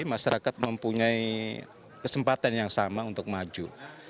masyarakat mempunyai kesempatan yang sama untuk maju